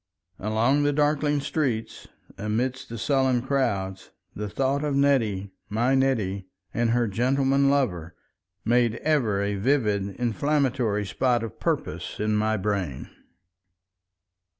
Along the darkling streets, amidst the sullen crowds, the thought of Nettie, my Nettie, and her gentleman lover made ever a vivid inflammatory spot of purpose in my brain.